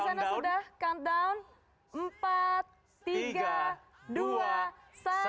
empat tiga dua satu